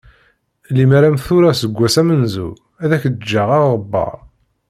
Limer am tura seg wass amenzu ad ak-d-ǧǧeɣ aɣebbar.